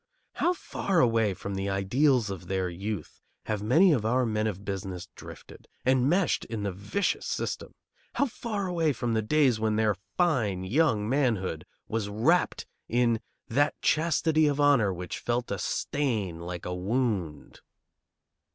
How far away from the ideals of their youth have many of our men of business drifted, enmeshed in the vicious system, how far away from the days when their fine young manhood was wrapped in "that chastity of honor which felt a stain like a wound!"